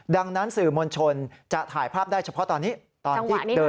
ดังนั้นสื่อมณชนจะถ่ายภาพได้เฉพาะตอนนี้